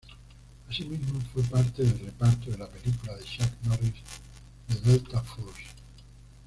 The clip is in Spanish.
Asimismo fue parte del reparto de la película de Chuck Norris, "The Delta Force".